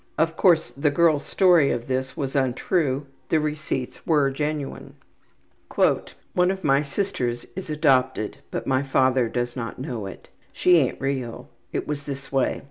Of course the girl's story of this was untrue; the receipts were genuine.) ``One of my sisters is adopted, but my father does not know it. She ain't real. It was this way.